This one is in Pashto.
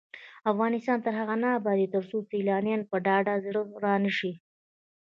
افغانستان تر هغو نه ابادیږي، ترڅو سیلانیان په ډاډه زړه را نشي.